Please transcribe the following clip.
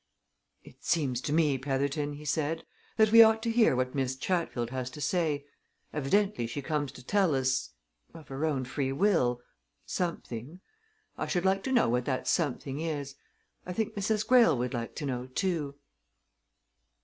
"It seems to me, Petherton," he said, "that we ought to hear what Miss Chatfield has to say. Evidently she comes to tell us of her own free will something. I should like to know what that something is. I think Mrs. Greyle would like to know, too."